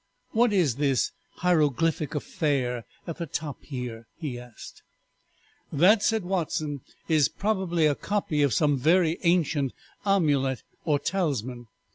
"What is this hieroglyphic affair at the top here?" he asked. "That," said Dr. Watson, "is probably a copy of some very ancient amulet or talisman.